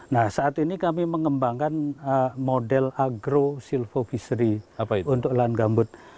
nah saat ini kami mengembangkan model agro silvofisory untuk lahan gambut